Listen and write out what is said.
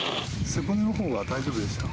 背骨のほうは大丈夫でしたか？